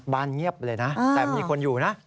เงียบเลยนะแต่มีคนอยู่นะ